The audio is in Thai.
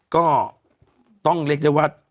ก็ต้องเรียกได้ว่า